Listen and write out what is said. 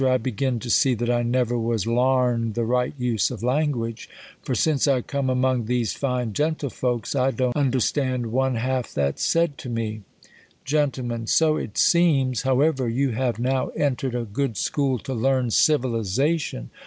I begin to see that I never was larn'd the right use of language ; for, since I come among these fine gentlefolks, 1 don't understand one half that's said to me. Gent, So it seems. However, you have now en tered a good scliool to learn civilization.